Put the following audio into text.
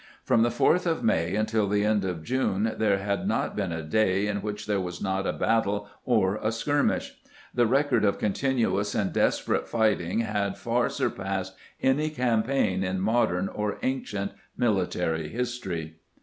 From the 4th of May until the end of June there had not been a day in which there was not a battle or a skir mish. The record of continuous and desperate fighting had far surpassed any campaign in modern or ancient military history.